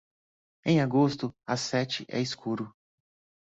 Em agosto, às sete é escuro.